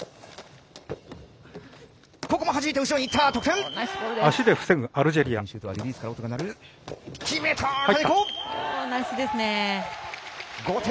ここもはじいて後ろにいった、得点。